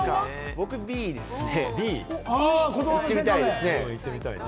僕、Ｂですね。